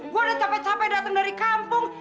gue udah capek capek datang dari kampung